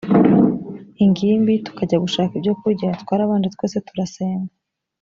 ingimbi tukajya gushaka ibyokurya twarabanje twese turasenga